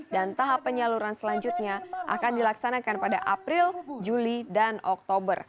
dan tahap penyaluran selanjutnya akan dilaksanakan pada april juli dan oktober